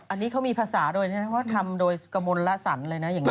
อันนี้เขามีภาษาด้วยนะว่าทำโดยกระมวลละสรรเลยนะอย่างนี้